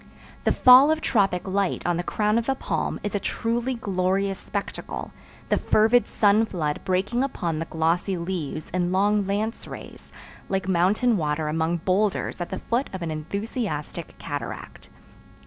The fall of tropic light on the crown of a palm is a truly glorious spectacle, the fervid sun flood breaking upon the glossy leaves in long lance rays, like mountain water among boulders at the foot of an enthusiastic cataract.